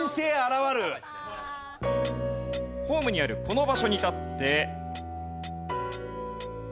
ホームにあるこの場所に立って。